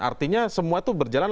artinya semua itu berjalan